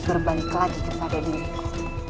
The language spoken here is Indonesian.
berbalik lagi kepada diriku